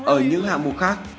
ở những hạng mùa khác